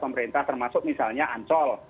pemerintah termasuk misalnya ancol